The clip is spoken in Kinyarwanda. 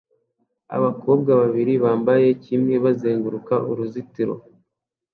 Abakobwa babiri bambaye kimwe bazamuka uruzitiro